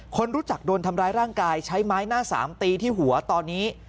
คนรู้จักโดนทำร้ายร่างกายใช้ไม้หน้าสามตีที่หัวตอนนี้